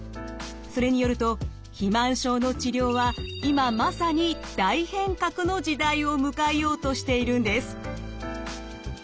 それによると肥満症の治療は今まさに大変革の時代を迎えようとしているんです。